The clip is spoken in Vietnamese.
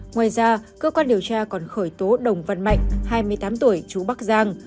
ngoài ra cơ quan điều tra còn khởi tố đồng văn mạnh hai mươi tám tuổi chú bắc giang